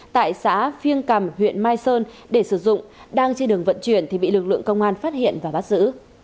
tại xã phiêng cầm huyện mai sơn để sử dụng đang trên đường vận chuyển thì bị lực lượng công an phát hiện và bắt giữ